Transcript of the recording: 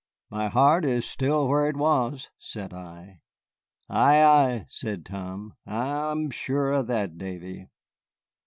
"My heart is still where it was," said I. "Ay, ay," said Tom, "I'm sure o' that, Davy."